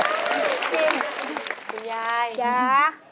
คุณยายจ๊า